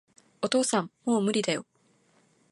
お父さん、もう無理だよ